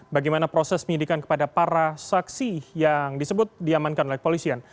bagaimana proses penyidikan kepada para saksi yang disebut diamankan oleh polisian